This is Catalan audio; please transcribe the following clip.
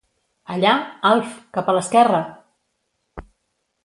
Allà, Alf, cap a l'esquerra!